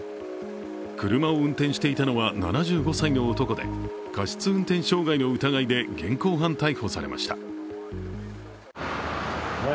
車を運転していたのは７５歳の男で過失運転傷害の疑いで現行犯逮捕されました。